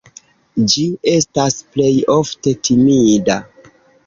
Ĝi estas plej ofte timida.